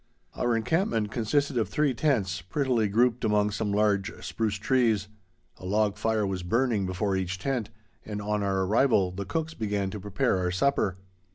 Our encampment consisted of three tents, prettily grouped among some large spruce trees. A log fire was burning before each tent, and, on our arrival, the cooks began to prepare our supper.